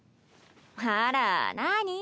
あら何？